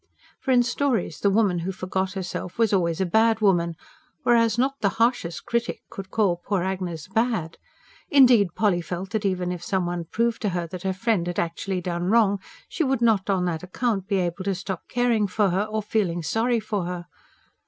For in stories the woman who forgot herself was always a bad woman; whereas not the harshest critic could call poor Agnes bad. Indeed, Polly felt that even if some one proved to her that her friend had actually done wrong, she would not on that account be able to stop caring for her, or feeling sorry for her.